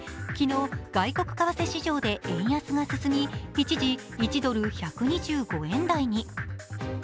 昨日、外国為替市場で円安が進み一時１ドル＝１２５円台に。